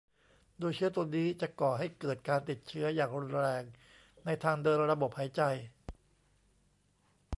โดยเชื้อตัวนี้จะก่อให้เกิดการติดเชื้ออย่างรุนแรงในทางเดินระบบหายใจ